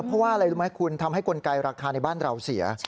เพราะว่าอะไรรู้ไหมคุณทำให้กลไกราคาในบ้านเราเสีย